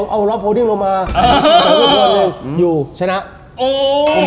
เอาล็อบโพดิวล์ลงมา